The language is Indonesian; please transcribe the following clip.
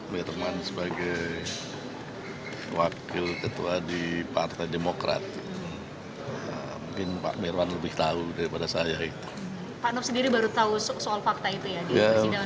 pak noff sendiri baru tahu soal fakta itu ya di persidangan kemarin